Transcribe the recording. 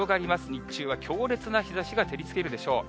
日中は強烈な日ざしが照りつけるでしょう。